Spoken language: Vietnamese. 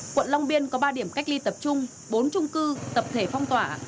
quận long biên có ba điểm cách ly tập trung bốn trung cư tập thể phong tỏa